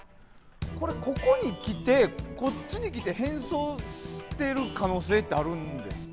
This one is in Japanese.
これ、ここに来て変装している可能性ってあるんですか？